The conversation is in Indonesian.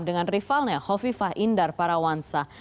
dengan rivalnya hovifah indar parawansa